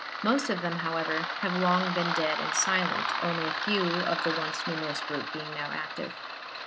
Most of them, however, have long been dead and silent, only a few of the once numerous group being now active.